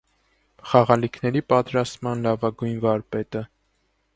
Խաղալիքների պատրաստման լավագույն վարպետը։